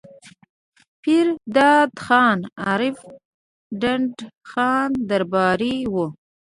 پير داد خان عرف ډنډ خان درباري وو